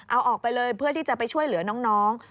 เอาออกไปเลยเพื่อที่จะไปช่วยเหลือน้อง